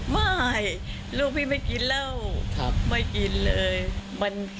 ไม่ลูกพี่ไม่กินเหล้าไม่กินเลย